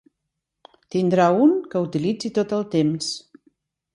Tindrà un que utilitzi tot el temps.